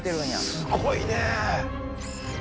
すごいね。